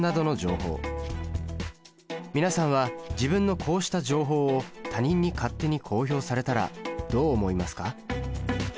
皆さんは自分のこうした情報を他人に勝手に公表されたらどう思いますか？